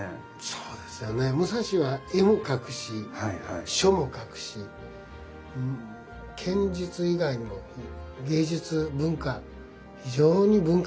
武蔵は絵を描くし書も書くし剣術以外にも芸術文化非常に文化人ですもんね。